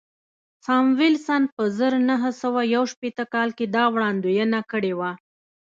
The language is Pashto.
ساموېلسن په زر نه سوه یو شپېته کال کې دا وړاندوینه کړې وه